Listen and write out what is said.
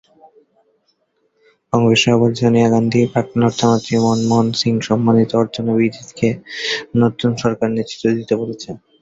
কংগ্রেস সভাপতি সোনিয়া গান্ধী, প্রাক্তন অর্থমন্ত্রী মনমোহন সিং, সম্মানিত অর্থনীতিবিদ কে নতুন সরকারের নেতৃত্ব দিতে বলেছেন।